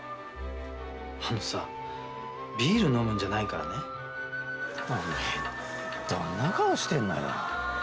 あのさビール飲むんじゃないからねおめえどんな顔してんのよ